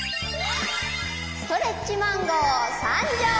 ストレッチマンゴーさんじょう！